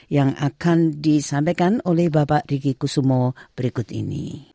yang akan disampaikan oleh bapak rigi kusumo berikut ini